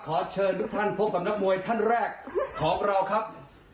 ขอเชิญทุกท่านพบกับนักมวยท่านแรกของเราครับ